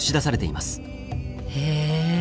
へえ。